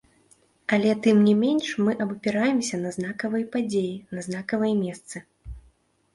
Але тым не менш мы абапіраемся на знакавыя падзеі, на знакавыя месцы.